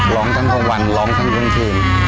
ร้องทั้งกลางวันร้องทั้งทั้งคืน